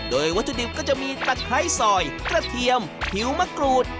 โดยวัตถุดิบก็จะมีตะไคร้สอยกระเทียมผิวมะกรูด